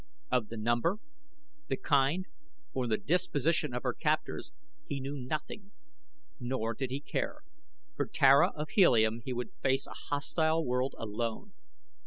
Of the number, the kind, or the disposition of her captors he knew nothing; nor did he care for Tara of Helium he would face a hostile world alone.